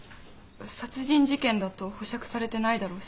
殺人事件だと保釈されてないだろうし。